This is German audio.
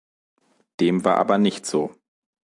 Dem war aber nicht so.